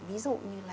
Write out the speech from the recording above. ví dụ như là